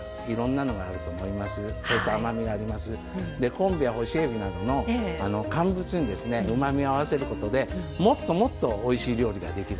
昆布や干しえびなどの乾物にうまみを合わせることでもっともっとおいしい料理ができる。